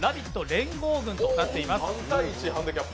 連合軍となっています。